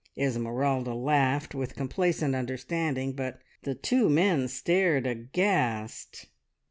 Esmeralda laughed with complacent understanding, but the two men stared aghast.